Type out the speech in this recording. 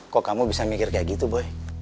kok kamu bisa mikir kayak gitu boy